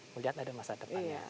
melihat ada masa depannya